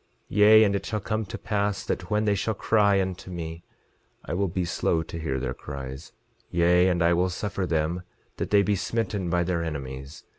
11:24 Yea, and it shall come to pass that when they shall cry unto me I will be slow to hear their cries; yea, and I will suffer them that they be smitten by their enemies.